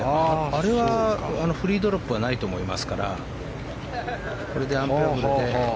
あれはフリードロップはないと思いますから。